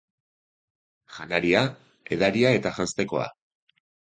Janaria, edaria eta janztekoa.